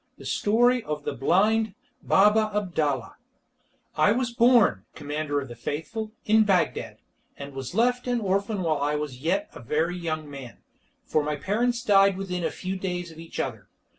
The Story of the Blind Baba Abdalla I was born, Commander of the Faithful, in Bagdad, and was left an orphan while I was yet a very young man, for my parents died within a few days of each other.